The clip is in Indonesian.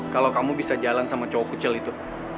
kalau kamu bisa jalan sama cowok itu